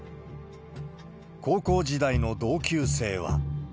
高校時代の同級生は。